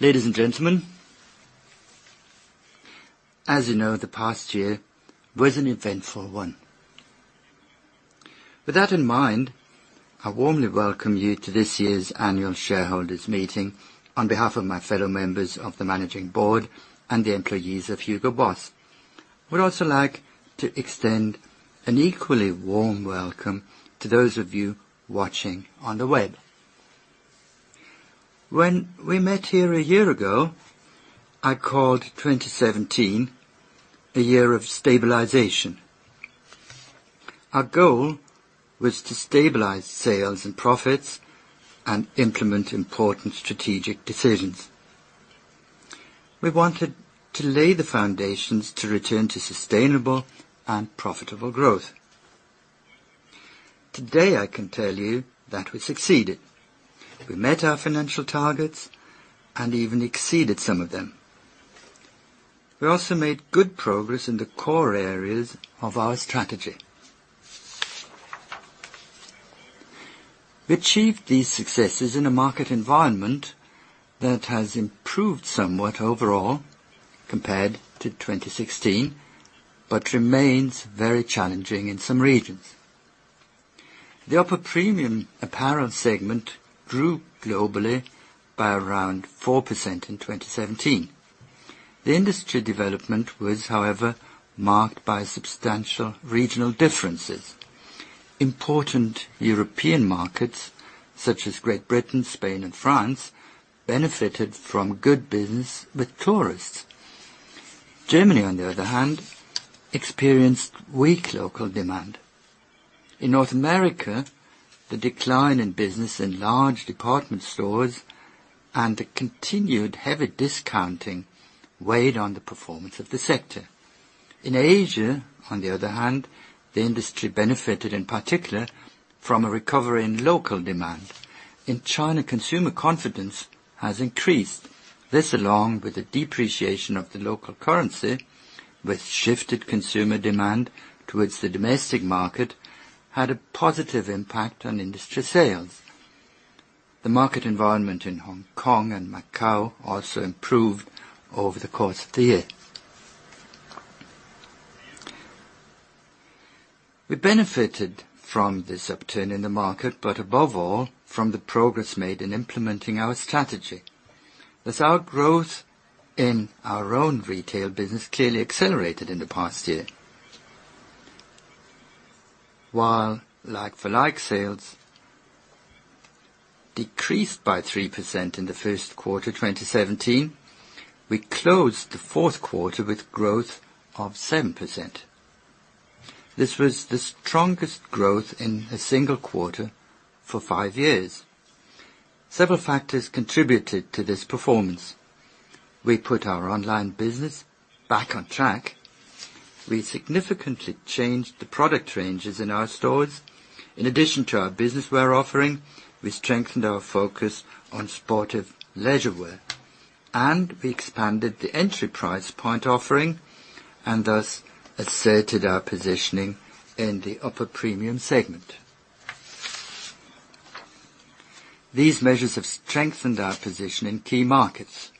Ladies and gentlemen, as you know, the past year was an eventful one. With that in mind, I warmly welcome you to this year's annual shareholders meeting on behalf of my fellow members of the managing board and the employees of Hugo Boss. I would also like to extend an equally warm welcome to those of you watching on the web. When we met here a year ago, I called 2017 a year of stabilization. Our goal was to stabilize sales and profits and implement important strategic decisions. We wanted to lay the foundations to return to sustainable and profitable growth. Today, I can tell you that we succeeded. We met our financial targets and even exceeded some of them. We also made good progress in the core areas of our strategy. We achieved these successes in a market environment that has improved somewhat overall compared to 2016, remains very challenging in some regions. The upper premium apparel segment grew globally by around 4% in 2017. The industry development was, however, marked by substantial regional differences. Important European markets such as Great Britain, Spain, and France benefited from good business with tourists. Germany, on the other hand, experienced weak local demand. In North America, the decline in business in large department stores and the continued heavy discounting weighed on the performance of the sector. In Asia, on the other hand, the industry benefited in particular from a recovery in local demand. In China, consumer confidence has increased. This, along with the depreciation of the local currency, which shifted consumer demand towards the domestic market, had a positive impact on industry sales. The market environment in Hong Kong and Macau also improved over the course of the year. We benefited from this upturn in the market, above all, from the progress made in implementing our strategy. Thus, our growth in our own retail business clearly accelerated in the past year. While like-for-like sales decreased by 3% in the first quarter 2017, we closed the fourth quarter with growth of 7%. This was the strongest growth in a single quarter for five years. Several factors contributed to this performance. We put our online business back on track. We significantly changed the product ranges in our stores. In addition to our business wear offering, we strengthened our focus on sportive leisure wear, we expanded the entry price point offering, thus asserted our positioning in the upper premium segment. These measures have strengthened our position in key markets.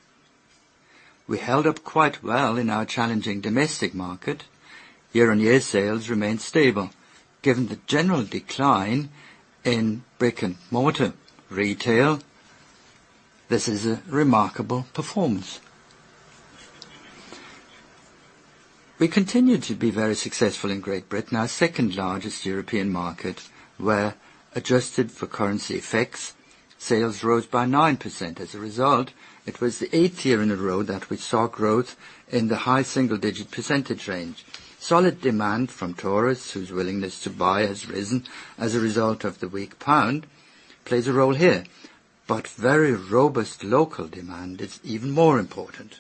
We held up quite well in our challenging domestic market. Year-on-year sales remained stable. Given the general decline in brick-and-mortar retail, this is a remarkable performance. We continued to be very successful in Great Britain, our second largest European market, where, adjusted for currency effects, sales rose by 9%. As a result, it was the eighth year in a row that we saw growth in the high single-digit percentage range. Solid demand from tourists whose willingness to buy has risen as a result of the weak pound plays a role here, very robust local demand is even more important.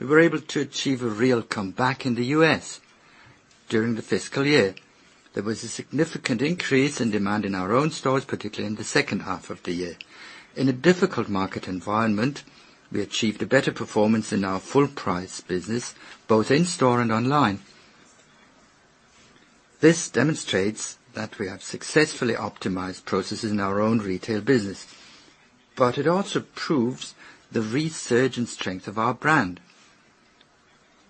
We were able to achieve a real comeback in the U.S. during the fiscal year. There was a significant increase in demand in our own stores, particularly in the second half of the year. In a difficult market environment, we achieved a better performance in our full-price business, both in-store and online. This demonstrates that we have successfully optimized processes in our own retail business. It also proves the resurgent strength of our brand.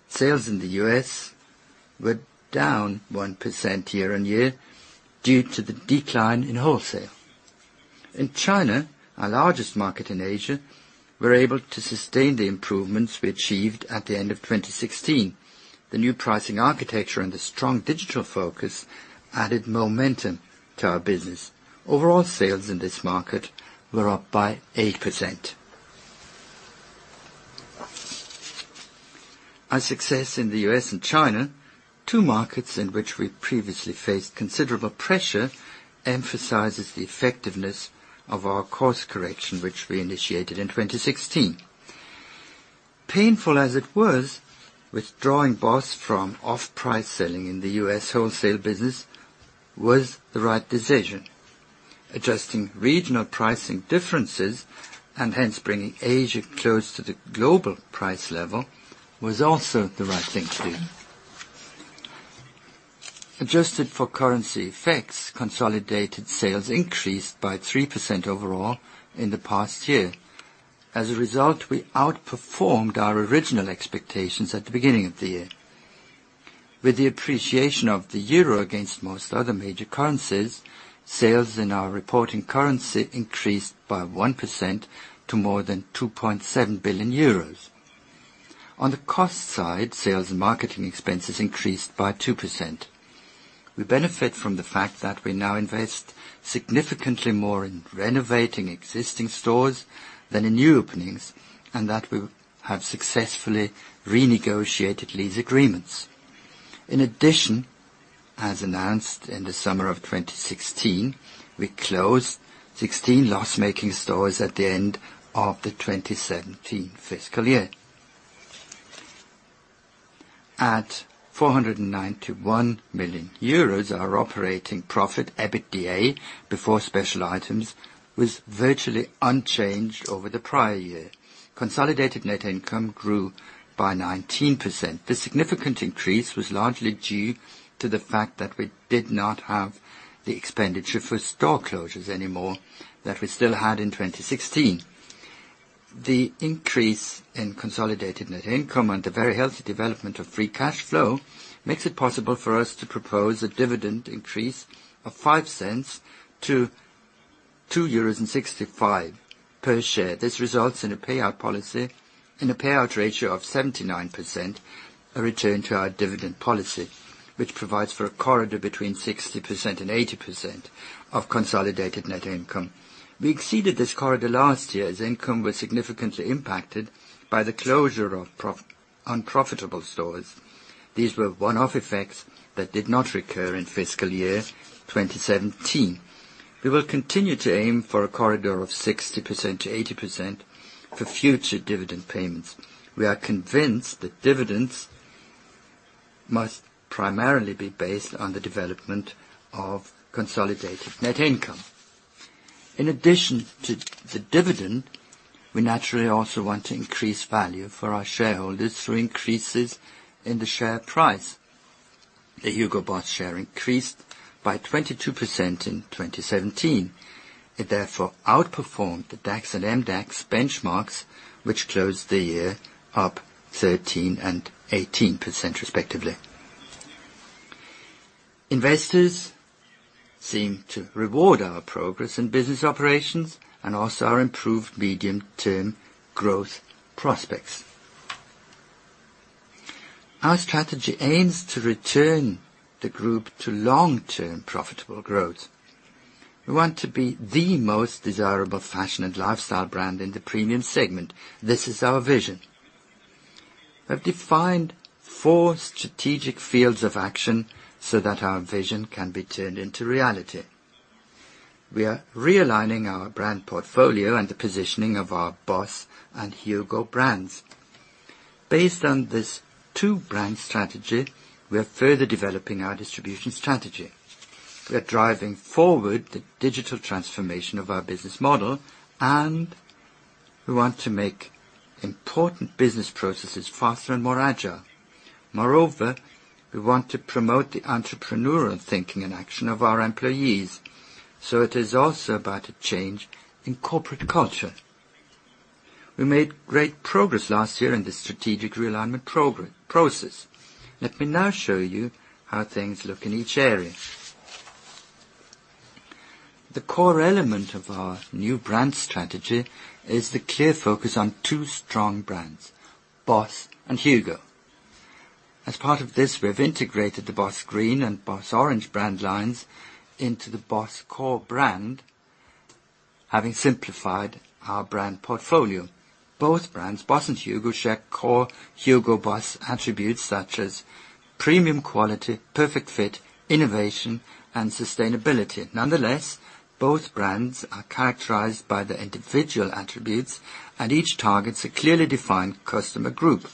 Sales in the U.S. were down 1% year-on-year due to the decline in wholesale. In China, our largest market in Asia, we were able to sustain the improvements we achieved at the end of 2016. The new pricing architecture and the strong digital focus added momentum to our business. Overall sales in this market were up by 8%. Our success in the U.S. and China, two markets in which we previously faced considerable pressure, emphasizes the effectiveness of our course correction, which we initiated in 2016. Painful as it was, withdrawing BOSS from off-price selling in the U.S. wholesale business was the right decision. Adjusting regional pricing differences, hence bringing Asia close to the global price level, was also the right thing to do. Adjusted for currency effects, consolidated sales increased by 3% overall in the past year. As a result, we outperformed our original expectations at the beginning of the year. With the appreciation of the euro against most other major currencies, sales in our reporting currency increased by 1% to more than 2.7 billion euros. On the cost side, sales and marketing expenses increased by 2%. We benefit from the fact that we now invest significantly more in renovating existing stores than in new openings, and that we have successfully renegotiated lease agreements. In addition, as announced in the summer of 2016, we closed 16 loss-making stores at the end of the 2017 fiscal year. At 491 million euros, our operating profit, EBITDA, before special items, was virtually unchanged over the prior year. Consolidated net income grew by 19%. The significant increase was largely due to the fact that we did not have the expenditure for store closures anymore, that we still had in 2016. The increase in consolidated net income and the very healthy development of free cash flow makes it possible for us to propose a dividend increase of 0.05 to 2.65 euros per share. This results in a payout ratio of 79%, a return to our dividend policy, which provides for a corridor between 60% and 80% of consolidated net income. We exceeded this corridor last year as income was significantly impacted by the closure of unprofitable stores. These were one-off effects that did not recur in fiscal year 2017. We will continue to aim for a corridor of 60% to 80% for future dividend payments. We are convinced that dividends must primarily be based on the development of consolidated net income. In addition to the dividend, we naturally also want to increase value for our shareholders through increases in the share price. The Hugo Boss share increased by 22% in 2017. It therefore outperformed the DAX and MDAX benchmarks, which closed the year up 13% and 18%, respectively. Investors seem to reward our progress in business operations and also our improved medium-term growth prospects. Our strategy aims to return the group to long-term profitable growth. We want to be the most desirable fashion and lifestyle brand in the premium segment. This is our vision. We have defined four strategic fields of action so that our vision can be turned into reality. We are realigning our brand portfolio and the positioning of our BOSS and HUGO brands. Based on this two-brand strategy, we are further developing our distribution strategy. We are driving forward the digital transformation of our business model, and we want to make important business processes faster and more agile. Moreover, we want to promote the entrepreneurial thinking and action of our employees. It is also about a change in corporate culture. We made great progress last year in this strategic realignment process. Let me now show you how things look in each area. The core element of our new brand strategy is the clear focus on two strong brands, BOSS and HUGO. As part of this, we have integrated the BOSS Green and BOSS Orange brand lines into the BOSS core brand, having simplified our brand portfolio. Both brands, BOSS and HUGO, share core Hugo Boss attributes such as premium quality, perfect fit, innovation, and sustainability. Nonetheless, both brands are characterized by their individual attributes, and each targets a clearly defined customer group.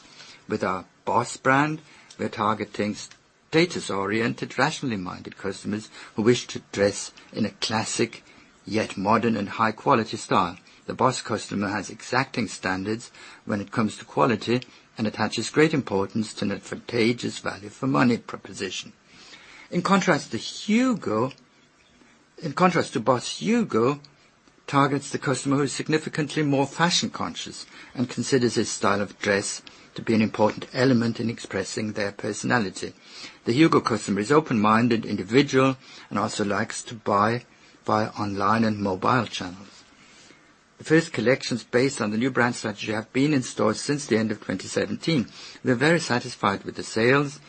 With our BOSS brand, we are targeting status-oriented, rationally-minded customers who wish to dress in a classic, yet modern and high-quality style. The BOSS customer has exacting standards when it comes to quality and attaches great importance to an advantageous value for money proposition. In contrast to BOSS, HUGO targets the customer who is significantly more fashion conscious and considers his style of dress to be an important element in expressing their personality. The HUGO customer is open-minded individual and also likes to buy via online and mobile channels. The first collections based on the new brand strategy have been in stores since the end of 2017. We are very satisfied with the sales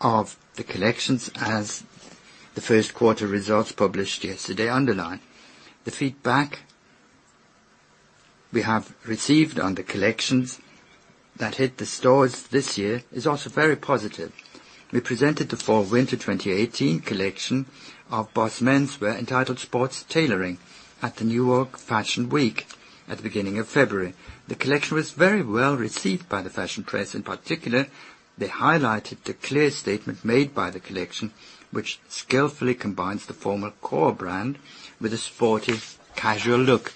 of the collections as the first quarter results published yesterday underline. The feedback we have received on the collections that hit the stores this year is also very positive. We presented the Fall/Winter 2018 collection of BOSS Menswear entitled Sports Tailoring at the New York Fashion Week at the beginning of February. The collection was very well received by the fashion press. In particular, they highlighted the clear statement made by the collection, which skillfully combines the formal core brand with a sporty, casual look.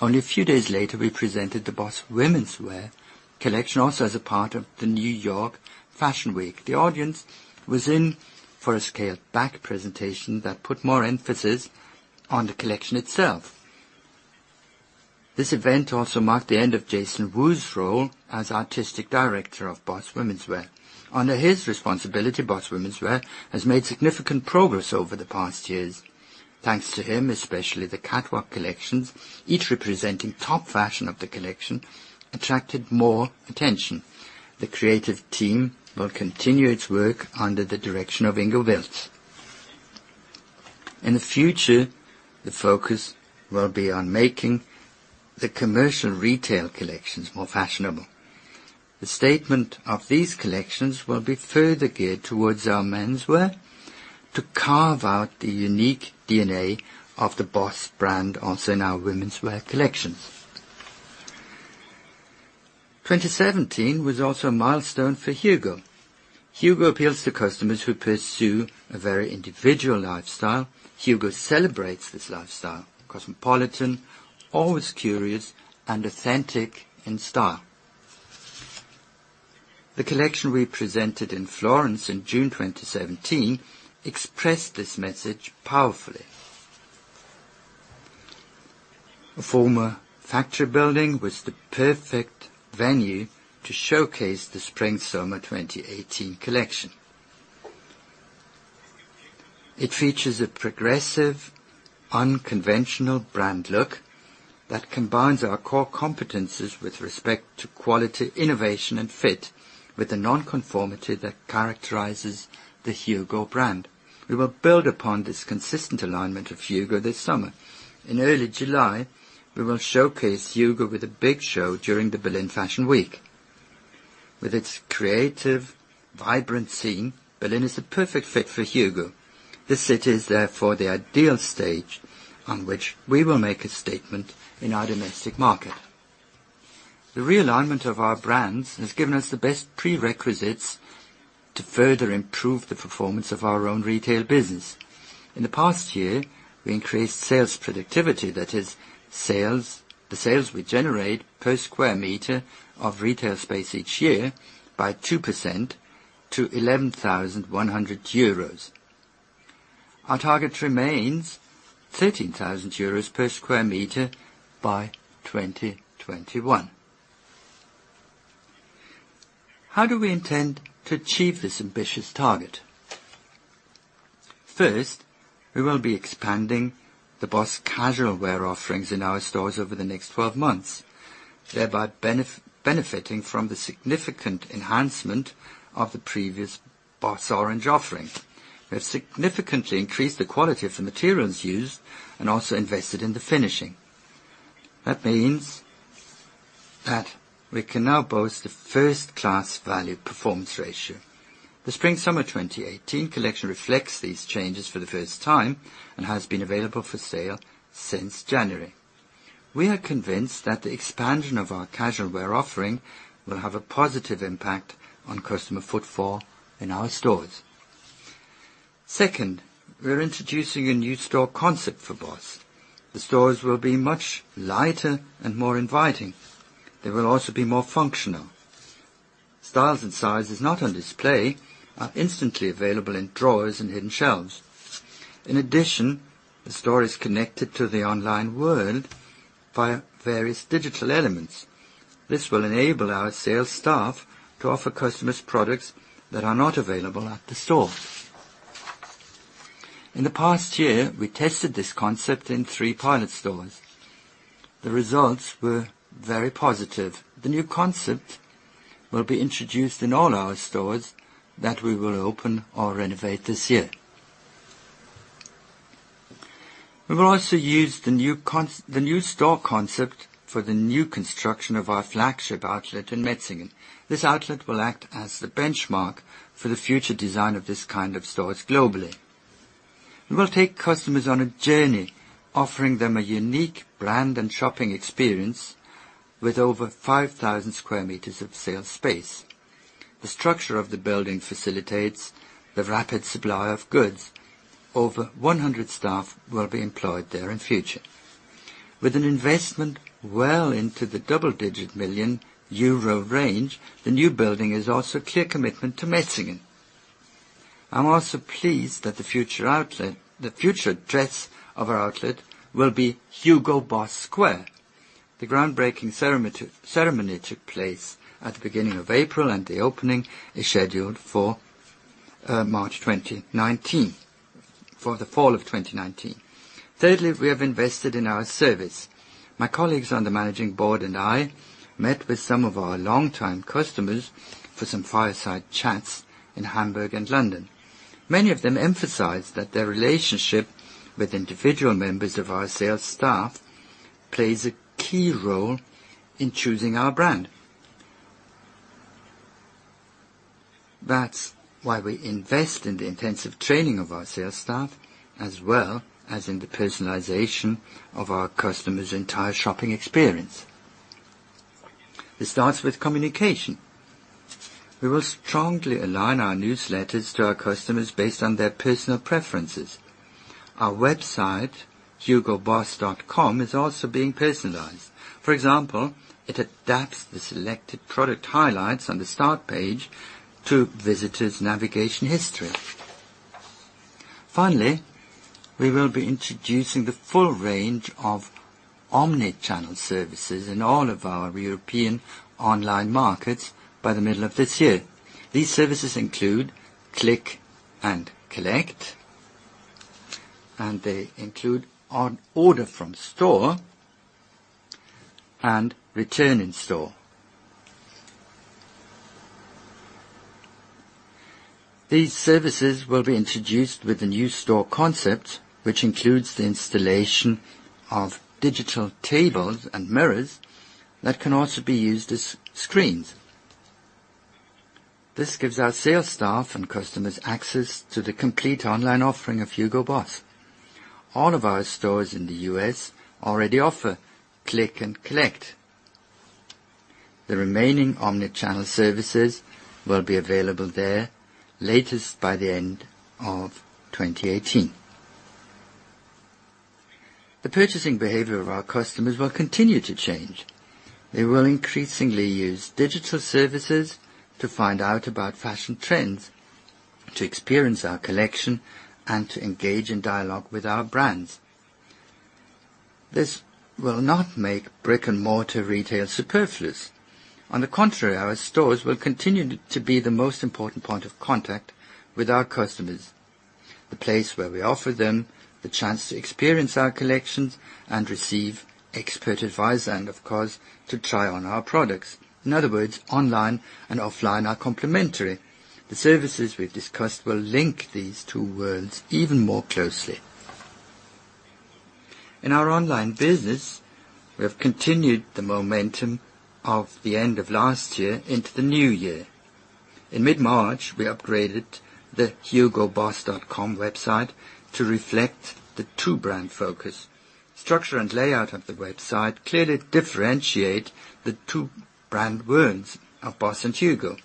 Only a few days later, we presented the BOSS Womenswear collection, also as a part of the New York Fashion Week. The audience was in for a scaled-back presentation that put more emphasis on the collection itself. This event also marked the end of Jason Wu's role as Artistic Director of BOSS Womenswear. Under his responsibility, BOSS Womenswear has made significant progress over the past years. Thanks to him, especially the catwalk collections, each representing top fashion of the collection, attracted more attention. The creative team will continue its work under the direction of Ingo Wilts. In the future, the focus will be on making the commercial retail collections more fashionable. The statement of these collections will be further geared towards our menswear to carve out the unique DNA of the BOSS brand, also in our Womenswear collections. 2017 was also a milestone for HUGO. HUGO appeals to customers who pursue a very individual lifestyle. HUGO celebrates this lifestyle: cosmopolitan, always curious, and authentic in style. The collection we presented in Florence in June 2017 expressed this message powerfully. A former factory building was the perfect venue to showcase the Spring/Summer 2018 collection. It features a progressive, unconventional brand look that combines our core competencies with respect to quality, innovation, and fit with the non-conformity that characterizes the HUGO brand. We will build upon this consistent alignment of HUGO this summer. In early July, we will showcase HUGO with a big show during the Berlin Fashion Week. With its creative, vibrant scene, Berlin is the perfect fit for HUGO. The city is therefore the ideal stage on which we will make a statement in our domestic market. The realignment of our brands has given us the best prerequisites to further improve the performance of our own retail business. In the past year, we increased sales productivity, that is, the sales we generate per square meter of retail space each year, by 2% to 11,100 euros. Our target remains 13,000 euros per square meter by 2021. How do we intend to achieve this ambitious target? First, we will be expanding the BOSS casual wear offerings in our stores over the next 12 months, thereby benefiting from the significant enhancement of the previous BOSS Orange offering. We have significantly increased the quality of the materials used and also invested in the finishing. That means that we can now boast a first-class value performance ratio. The spring/summer 2018 collection reflects these changes for the first time and has been available for sale since January. We are convinced that the expansion of our casual wear offering will have a positive impact on customer footfall in our stores. Second, we are introducing a new store concept for BOSS. The stores will be much lighter and more inviting. They will also be more functional. Styles and sizes not on display are instantly available in drawers and hidden shelves. In addition, the store is connected to the online world via various digital elements. This will enable our sales staff to offer customers products that are not available at the store. In the past year, we tested this concept in three pilot stores. The results were very positive. The new concept will be introduced in all our stores that we will open or renovate this year. We will also use the new store concept for the new construction of our flagship outlet in Metzingen. This outlet will act as the benchmark for the future design of this kind of stores globally. We will take customers on a journey, offering them a unique brand and shopping experience with over 5,000 square meters of sales space. The structure of the building facilitates the rapid supply of goods. Over 100 staff will be employed there in future. With an investment well into the double-digit million EUR range, the new building is also clear commitment to Metzingen. I'm also pleased that the future address of our outlet will be Hugo Boss Square. The groundbreaking ceremony took place at the beginning of April, and the opening is scheduled for March 2019, for the fall of 2019. Thirdly, we have invested in our service. My colleagues on the managing board and I met with some of our longtime customers for some fireside chats in Hamburg and London. Many of them emphasized that their relationship with individual members of our sales staff plays a key role in choosing our brand. That's why we invest in the intensive training of our sales staff, as well as in the personalization of our customers' entire shopping experience. It starts with communication. We will strongly align our newsletters to our customers based on their personal preferences. Our website, hugoboss.com, is also being personalized. For example, it adapts the selected product highlights on the start page to visitors' navigation history. Finally, we will be introducing the full range of omni-channel services in all of our European online markets by the middle of this year. These services include click and collect, and they include order from store, and return in store. These services will be introduced with the new store concept, which includes the installation of digital tables and mirrors that can also be used as screens. This gives our sales staff and customers access to the complete online offering of Hugo Boss. All of our stores in the U.S. already offer click and collect. The remaining omni-channel services will be available there latest by the end of 2018. The purchasing behavior of our customers will continue to change. They will increasingly use digital services to find out about fashion trends, to experience our collection, and to engage in dialogue with our brands. This will not make brick-and-mortar retail superfluous. On the contrary, our stores will continue to be the most important point of contact with our customers. The place where we offer them the chance to experience our collections and receive expert advice, and of course, to try on our products. In other words, online and offline are complementary. The services we've discussed will link these two worlds even more closely. In our online business, we have continued the momentum of the end of last year into the new year. In mid-March, we upgraded the hugoboss.com website to reflect the two-brand focus. Structure and layout of the website clearly differentiate the two brand worlds of BOSS and HUGO.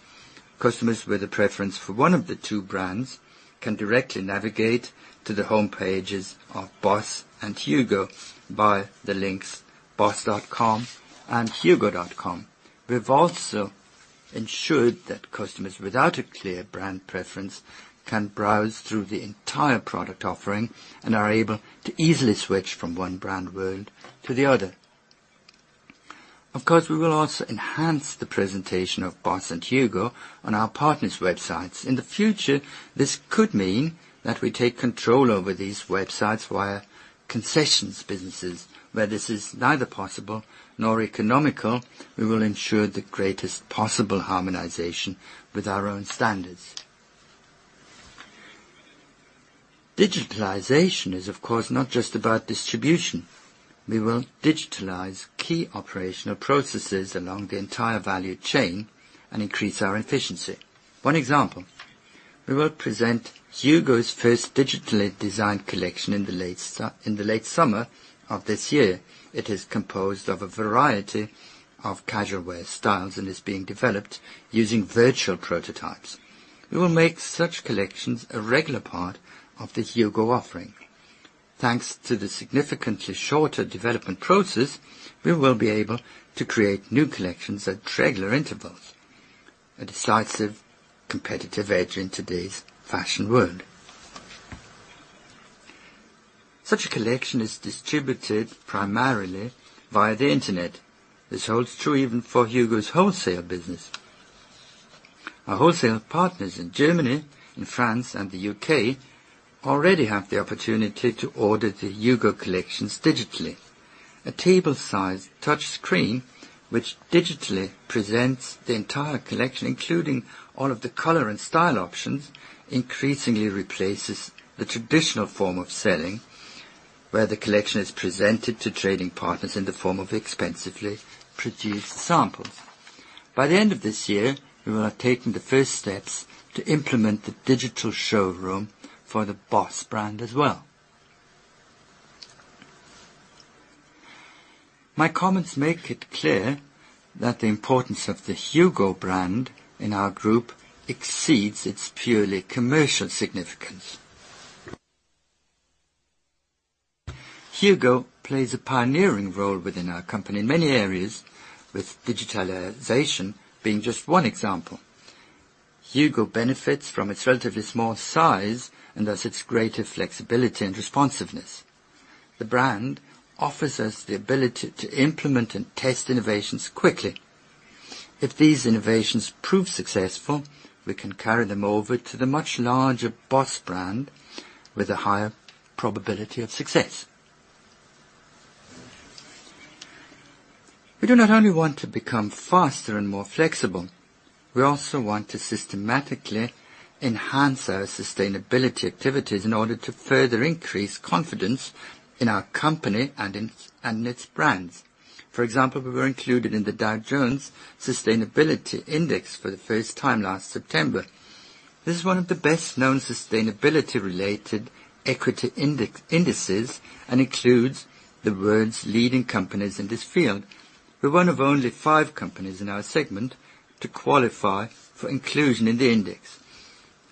Customers with a preference for one of the two brands can directly navigate to the homepages of BOSS and HUGO via the links boss.com and hugo.com. We've also ensured that customers without a clear brand preference can browse through the entire product offering and are able to easily switch from one brand world to the other. Of course, we will also enhance the presentation of BOSS and HUGO on our partners' websites. In the future, this could mean that we take control over these websites via concessions businesses. Where this is neither possible nor economical, we will ensure the greatest possible harmonization with our own standards. Digitalization is, of course, not just about distribution. We will digitalize key operational processes along the entire value chain and increase our efficiency. One example, we will present HUGO's first digitally designed collection in the late summer of this year. It is composed of a variety of casual wear styles and is being developed using virtual prototypes. We will make such collections a regular part of the HUGO offering. Thanks to the significantly shorter development process, we will be able to create new collections at regular intervals. A decisive competitive edge in today's fashion world. Such a collection is distributed primarily via the internet. This holds true even for HUGO's wholesale business. Our wholesale partners in Germany, in France, and the U.K. already have the opportunity to order the HUGO collections digitally. A table-sized touch screen, which digitally presents the entire collection, including all of the color and style options, increasingly replaces the traditional form of selling, where the collection is presented to trading partners in the form of expensively produced samples. By the end of this year, we will have taken the first steps to implement the digital showroom for the BOSS brand as well. My comments make it clear that the importance of the HUGO brand in our group exceeds its purely commercial significance. HUGO plays a pioneering role within our company in many areas, with digitalization being just one example. HUGO benefits from its relatively small size and thus its greater flexibility and responsiveness. The brand offers us the ability to implement and test innovations quickly. If these innovations prove successful, we can carry them over to the much larger BOSS brand with a higher probability of success. We do not only want to become faster and more flexible, we also want to systematically enhance our sustainability activities in order to further increase confidence in our company and in its brands. For example, we were included in the Dow Jones Sustainability Index for the first time last September. This is one of the best-known sustainability-related equity indices and includes the world's leading companies in this field. We're one of only five companies in our segment to qualify for inclusion in the index.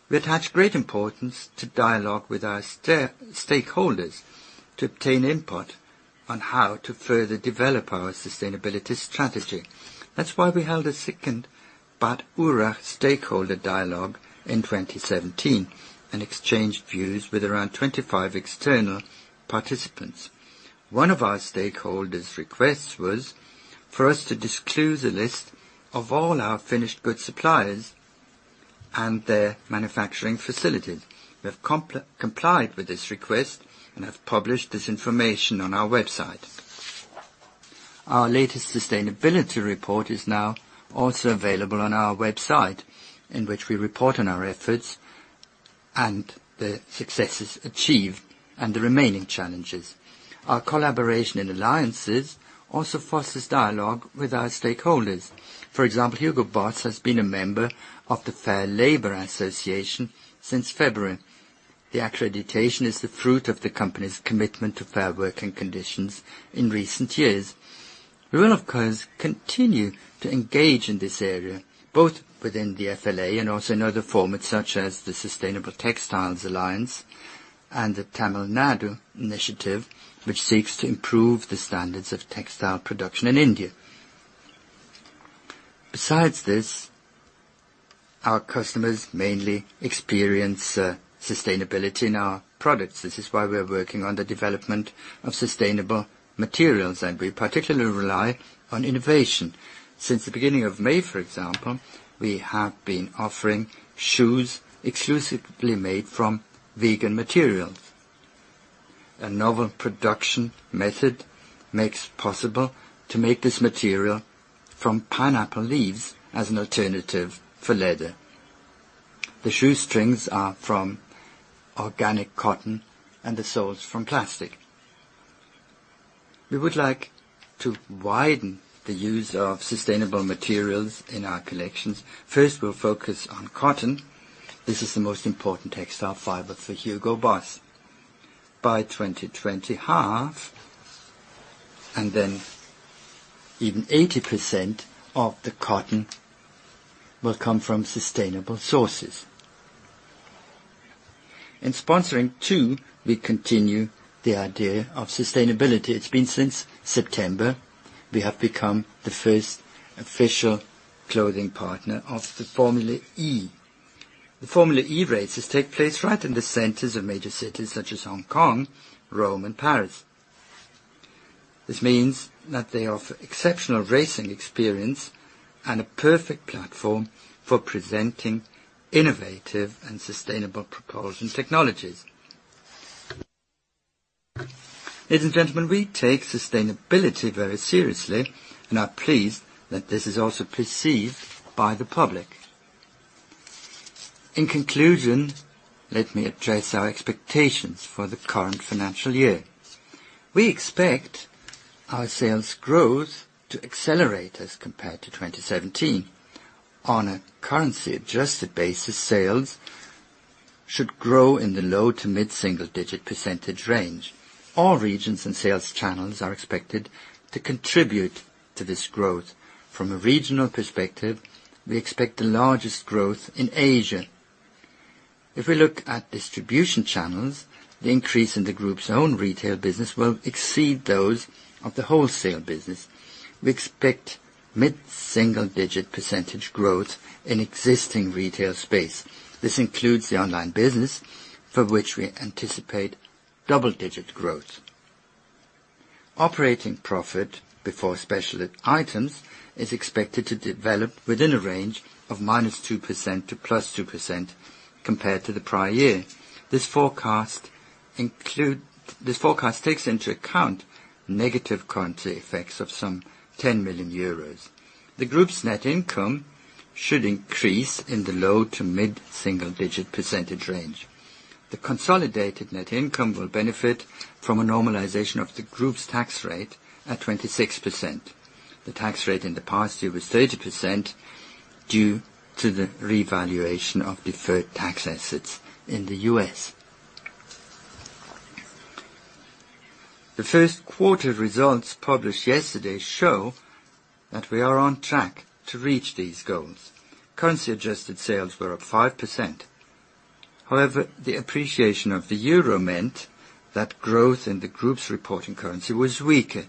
We attach great importance to dialogue with our stakeholders to obtain input on how to further develop our sustainability strategy. That's why we held a second Bad Urach stakeholder dialogue in 2017 and exchanged views with around 25 external participants. One of our stakeholder's requests was for us to disclose a list of all our finished goods suppliers and their manufacturing facilities. We have complied with this request and have published this information on our website. Our latest sustainability report is now also available on our website, in which we report on our efforts and the successes achieved and the remaining challenges. Our collaboration and alliances also fosters dialogue with our stakeholders. For example, Hugo Boss has been a member of the Fair Labor Association since February. The accreditation is the fruit of the company's commitment to fair working conditions in recent years. We will, of course, continue to engage in this area, both within the FLA and also in other formats, such as the Partnership for Sustainable Textiles and the Tamil Nadu Initiative, which seeks to improve the standards of textile production in India. Besides this, our customers mainly experience sustainability in our products. This is why we are working on the development of sustainable materials, and we particularly rely on innovation. Since the beginning of May, for example, we have been offering shoes exclusively made from vegan materials. A novel production method makes it possible to make this material from pineapple leaves as an alternative for leather. The shoe strings are from organic cotton and the soles from plastic. We would like to widen the use of sustainable materials in our collections. First, we'll focus on cotton. This is the most important textile fiber for Hugo Boss. By 2020, half and then even 80% of the cotton will come from sustainable sources. In sponsoring, too, we continue the idea of sustainability. It's been since September we have become the first official clothing partner of the Formula E. The Formula E races take place right in the centers of major cities such as Hong Kong, Rome, and Paris. This means that they offer exceptional racing experience and a perfect platform for presenting innovative and sustainable propulsion technologies. Ladies and gentlemen, we take sustainability very seriously and are pleased that this is also perceived by the public. In conclusion, let me address our expectations for the current financial year. We expect our sales growth to accelerate as compared to 2017. On a currency-adjusted basis, sales should grow in the low to mid-single-digit % range. All regions and sales channels are expected to contribute to this growth. From a regional perspective, we expect the largest growth in Asia. If we look at distribution channels, the increase in the group's own retail business will exceed those of the wholesale business. We expect mid-single-digit % growth in existing retail space. This includes the online business, for which we anticipate double-digit % growth. Operating profit before special items is expected to develop within a range of -2% to +2% compared to the prior year. This forecast takes into account negative currency effects of some 10 million euros. The group's net income should increase in the low to mid-single-digit % range. The consolidated net income will benefit from a normalization of the group's tax rate at 26%. The tax rate in the past year was 30% due to the revaluation of deferred tax assets in the U.S. The first quarter results published yesterday show that we are on track to reach these goals. Currency-adjusted sales were up 5%. However, the appreciation of the euro meant that growth in the group's reporting currency was weaker.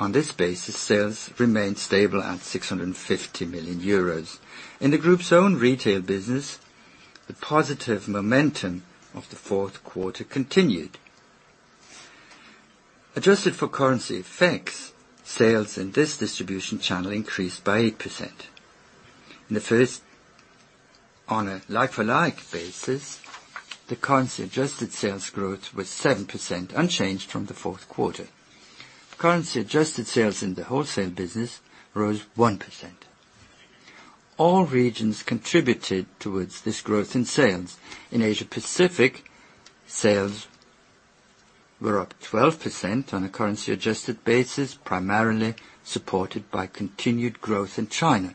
On this basis, sales remained stable at 650 million euros. In the group's own retail business, the positive momentum of the fourth quarter continued. Adjusted for currency effects, sales in this distribution channel increased by 8%. In the first, on a like-for-like basis, the currency-adjusted sales growth was 7%, unchanged from the fourth quarter. Currency-adjusted sales in the wholesale business rose 1%. All regions contributed towards this growth in sales. In Asia Pacific, sales were up 12% on a currency adjusted basis, primarily supported by continued growth in China.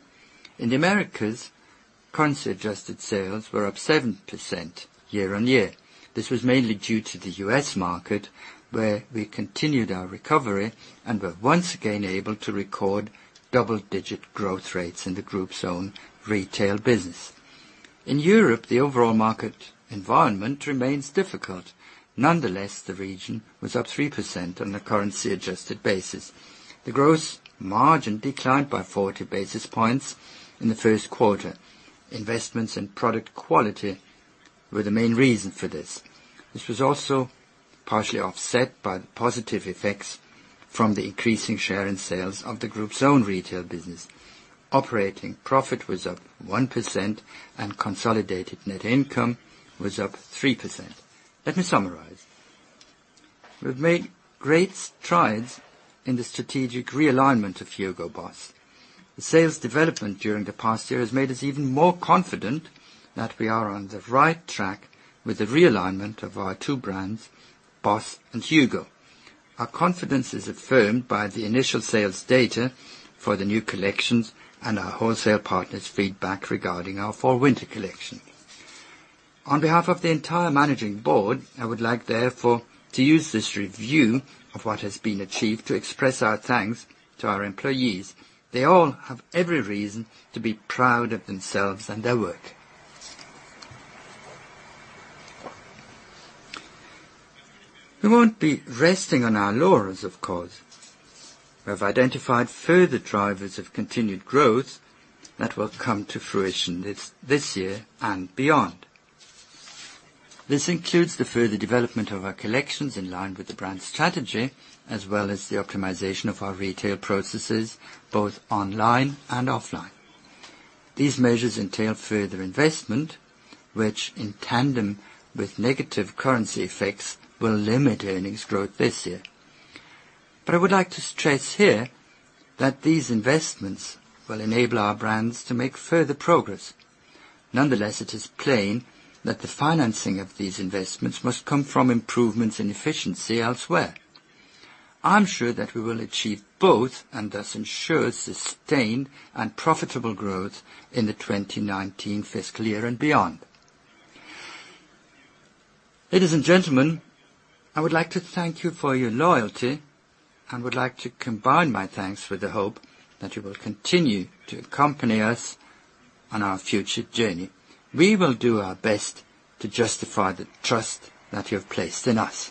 In Americas, currency adjusted sales were up 7% year-over-year. This was mainly due to the U.S. market, where we continued our recovery and were once again able to record double-digit % growth rates in the group's own retail business. In Europe, the overall market environment remains difficult. Nonetheless, the region was up 3% on the currency adjusted basis. The gross margin declined by 40 basis points in the first quarter. Investments in product quality were the main reason for this. This was also partially offset by the positive effects from the increasing share in sales of the group's own retail business. Operating profit was up 1% and consolidated net income was up 3%. Let me summarize. We've made great strides in the strategic realignment of Hugo Boss. The sales development during the past year has made us even more confident that we are on the right track with the realignment of our two brands, BOSS and HUGO. Our confidence is affirmed by the initial sales data for the new collections and our wholesale partners' feedback regarding our Fall/Winter collection. On behalf of the entire managing board, I would like therefore to use this review of what has been achieved to express our thanks to our employees. They all have every reason to be proud of themselves and their work. We won't be resting on our laurels, of course. We have identified further drivers of continued growth that will come to fruition this year and beyond. This includes the further development of our collections in line with the brand strategy, as well as the optimization of our retail processes, both online and offline. These measures entail further investment, which in tandem with negative currency effects, will limit earnings growth this year. I would like to stress here that these investments will enable our brands to make further progress. Nonetheless, it is plain that the financing of these investments must come from improvements in efficiency elsewhere. I'm sure that we will achieve both and thus ensure sustained and profitable growth in the 2019 fiscal year and beyond. Ladies and gentlemen, I would like to thank you for your loyalty and would like to combine my thanks with the hope that you will continue to accompany us on our future journey. We will do our best to justify the trust that you have placed in us.